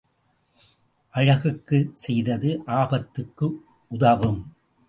அழகுக்குச் செய்தது ஆபத்துக்கு உதவும்.